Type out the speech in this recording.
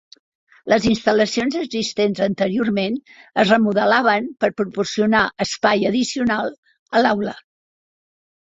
Les instal·lacions existents anteriorment es remodelaven per proporcionar espai addicional a l'aula.